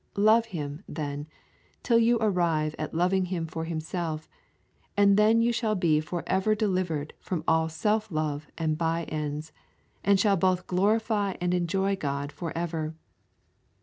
Love Him, then, till you arrive at loving Him for Himself, and then you shall be for ever delivered from all self love and by ends, and shall both glorify and enjoy God for ever.